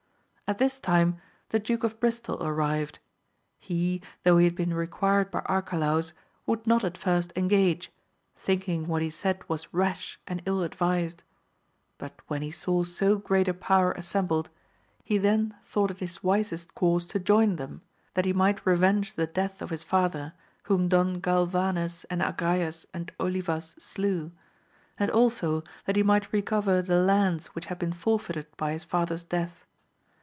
At this time the Duke of Bristol arrived : he, though 4ie had been required by Arcalaus, would not at first engage, thinking what he said was rash jdnA. ill ad vised j but when he saw so great a power assembled, he then thought it his wisest course to join them, that he might revenge the death of his father, whom Don Gal vanes and Agrayes and Olivas slew; and also that he might recover the lands which had been forfeited by his father's death.